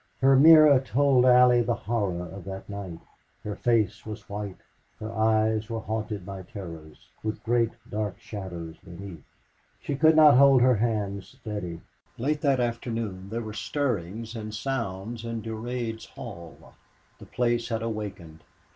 Her mirror told Allie the horror of that night. Her face was white; her eyes were haunted by terrors, with great dark shadows beneath. She could not hold her hands steady. Late that afternoon there were stirrings and sounds in Durade's hall. The place had awakened.